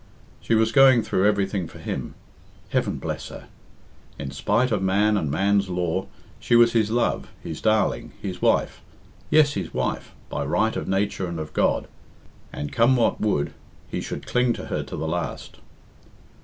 She was going through everything for him. Heaven bless her! In spite of man and man's law, she was his love, his darling, his wife yes, his wife by right of nature and of God; and, come what would, he should cling to her to the last.